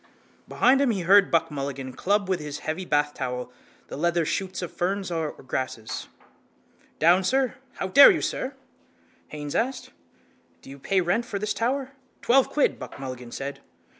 Behind him he heard Buck Mulligan club with his heavy bathtowel the leader shoots of ferns or grasses. —Down, sir! How dare you, sir! Haines asked: —Do you pay rent for this tower? —Twelve quid, Buck Mulligan said.